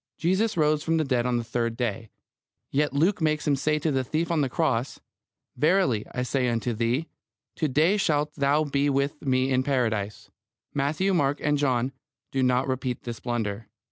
Jesus rose from the dead on the third day. Yet Luke makes Him say to the thief on the cross: "Verily I say unto thee, to day shalt thou be with me in Paradise." Matthew, Mark, and John do not repeat this blunder.